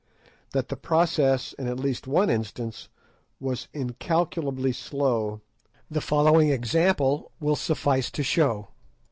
That the process, in at least one instance, was incalculably slow, the following example will suffice to show.